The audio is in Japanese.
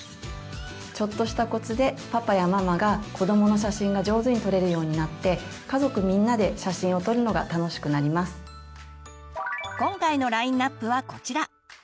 ちょっとしたコツでパパやママが子どもの写真が上手に撮れるようになって今回のラインアップはこちら。